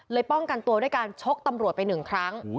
ป้องกันตัวด้วยการชกตำรวจไปหนึ่งครั้ง